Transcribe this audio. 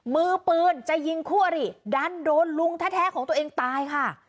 มือปืนจะยิงคู่อริดันโดนลุงแท้ของตัวเองตายค่ะ